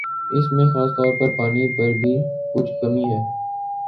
اس میں خاص طور پر پانی پر بھی کچھ کمی ہے